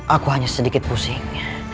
aku hanya sedikit pusing